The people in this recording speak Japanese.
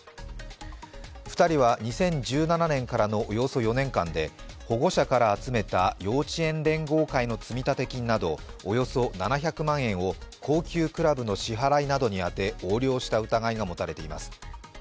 ２人は２０１７年からのおよそ４年間で保護者から集めた幼稚園連合会の積立金などおよそ７００万円を高級クラブの支払いなどに充て横領した疑いが持たれています。